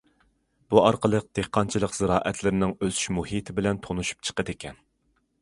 بۇ ئارقىلىق دېھقانچىلىق زىرائەتلىرىنىڭ ئۆسۈش مۇھىتى بىلەن تونۇشۇپ چىقىدىكەن.